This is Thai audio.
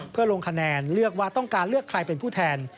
เพื่อลงคะแนนเลือกว่าต้องการเลือกใครเป็นผู้แทน